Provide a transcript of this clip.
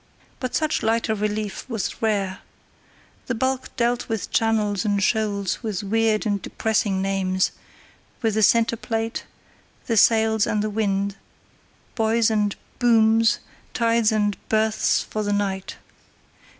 But such lighter relief was rare. The bulk dealt with channels and shoals with weird and depressing names, with the centre plate, the sails, and the wind, buoys and "booms", tides and "berths" for the night.